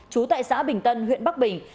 chú tại xã bình tân huyện bắc bình